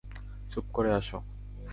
চুপ করো, আসো।